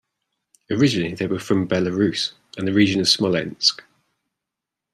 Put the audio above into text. Originally they were from Belarus and the region of Smolensk.